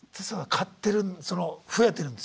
勝ってる増えてるんですよ。